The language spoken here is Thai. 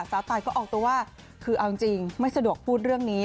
ตายก็ออกตัวว่าคือเอาจริงไม่สะดวกพูดเรื่องนี้